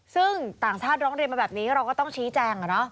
ซึ่งต่างชาติร้องเรียนมาแบบนี้เราก็ต้องชี้แจง